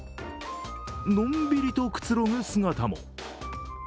のんびりとくつろぐ姿も。